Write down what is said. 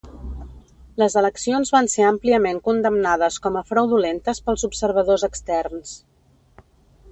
Les eleccions van ser àmpliament condemnades com a fraudulentes pels observadors externs.